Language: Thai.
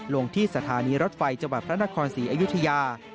ลงที่สถานีรถไฟจังหวัดพระนครศรีอยุธยา